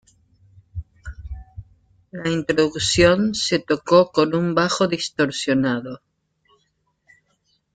La introducción se tocó con un bajo distorsionado.